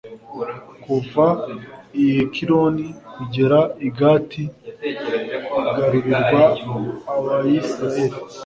kuva i ekironi kugera i gati, igarurirwa abayisraheli